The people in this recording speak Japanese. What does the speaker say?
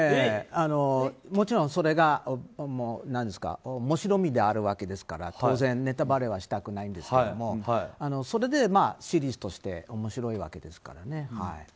もちろんそれが面白味であるわけですから当然、ネタバレはしたくないんですがそれでシリーズとして面白いわけですからね。